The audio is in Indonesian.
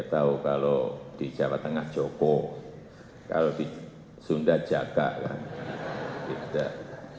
tidak tahu kalau di jawa tengah joko kalau di sunda jaka lah tidak